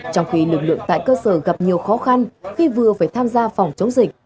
trong khi lực lượng tại cơ sở gặp nhiều khó khăn khi vừa phải tham gia phòng chống dịch